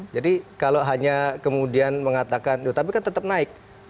jadi kalau hanya kemudian mengatakan tapi kan tetap naik